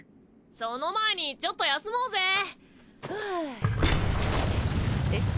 その前にちょっと休もうぜふぅえ？